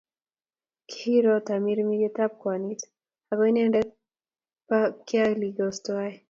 kihiro tamirmiryet ab kwanit ako inendet be king'ololdos tuai